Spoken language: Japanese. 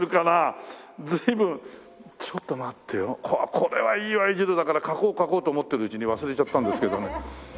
これはいいＹ字路だから描こう描こうと思っているうちに忘れちゃったんですけどね。